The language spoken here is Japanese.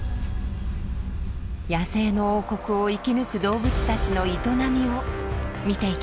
野生の王国を生き抜く動物たちの営みを見ていきましょう。